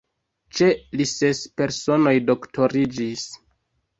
Ĉe li ses personoj doktoriĝis.